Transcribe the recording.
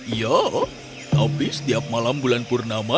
iya tapi setiap malam bulan purnama